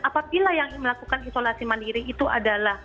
apabila yang melakukan isolasi mandiri itu adalah